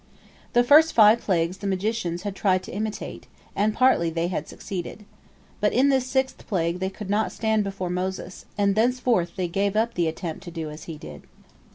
The first five plagues the magicians had tried to imitate, and partly they had succeeded. But in this sixth plague they could not stand before Moses, and thenceforth they gave up the attempt to do as he did.